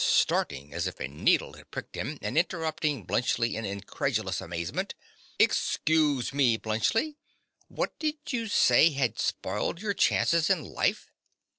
(starting as if a needle had pricked him and interrupting Bluntschli in incredulous amazement). Excuse me, Bluntschli: what did you say had spoiled your chances in life?